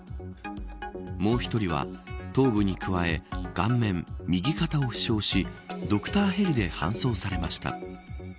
もう一人は頭部に加え顔面、右肩を負傷しドクターヘリで搬送されました。